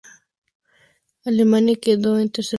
Alemania quedó en tercer lugar.